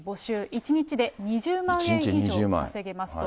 １日で２０万円以上稼げますと。